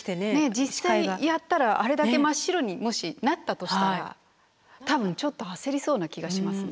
実際やったらあれだけ真っ白にもしなったとしたら多分ちょっと焦りそうな気がしますね。